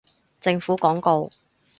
政府廣告